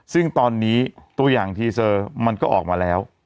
ซึ่งตอนนี้ตัวอย่างทีเซอร์มันก็ออกมาแล้ว